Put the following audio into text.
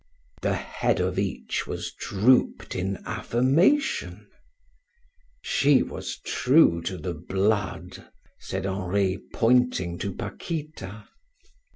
The head of each was drooped in affirmation. "She was true to the blood," said Henri, pointing to Paquita.